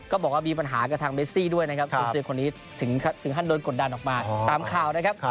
ก็บอกว่ามีปัญหากับทางเมซี่ด้วยนะครับคุณซื้อคนนี้ถึงขั้นโดนกดดันออกมาตามข่าวนะครับ